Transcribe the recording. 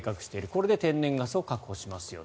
これで天然ガスを確保しますよ。